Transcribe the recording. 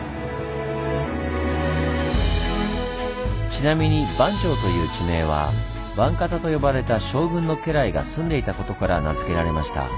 ちなみに「番町」という地名は番方と呼ばれた将軍の家来が住んでいたことから名付けられました。